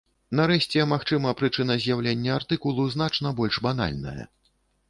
Нарэшце, магчыма, прычына з'яўлення артыкулу значна больш банальная.